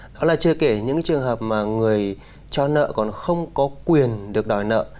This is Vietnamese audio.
đó là chưa kể những trường hợp mà người cho nợ còn không có quyền được đòi nợ